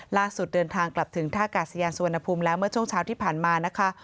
เดินทางกลับถึงท่ากาศยานสุวรรณภูมิแล้วเมื่อช่วงเช้าที่ผ่านมานะคะ